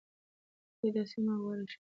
ولې دا سیمه غوره شوې ده؟